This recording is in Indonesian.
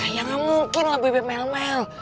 ya gak mungkin lah bebe melmel